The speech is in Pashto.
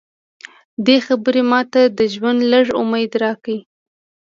دې خبرې ماته د ژوند لږ امید راکړ